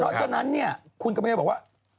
เพราะฉะนั้นเนี่ยคุณกำลังจะบอกว่า